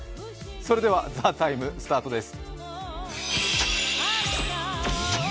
それでは「ＴＨＥＴＩＭＥ，」スタートです